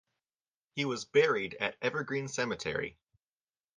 He was buried at Evergreen Cemetery.